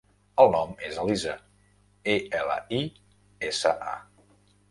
El nom és Elisa: e, ela, i, essa, a.